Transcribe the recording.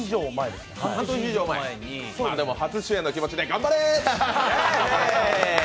でも、初出演のつもりで頑張れ！